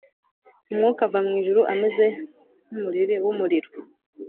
Umwuka ava mwijuru ameze nkumuriri wumuriro